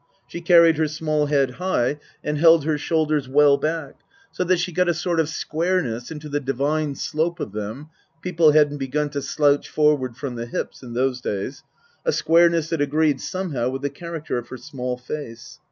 She carried her small head high, and held her shoulders well back, so that she got a sort of squareness into the divine slope of them (people hadn't begun to slouch forward from the hips in those days), a squareness that agreed somehow with the character of her small face.